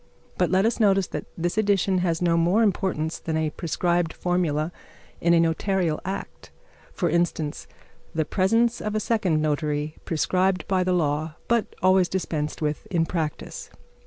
But let us notice that this addition has no more importance than a prescribed formula in a notarial act; for instance, the presence of a second notary prescribed by the law, but always dispensed with in practice.